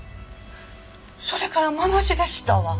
それから間なしでしたわ。